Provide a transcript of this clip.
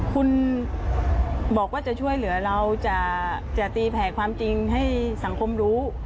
คุณบอกว่าจะช่วยเหลือเราจะตีแผ่ความจริงให้สังคมรู้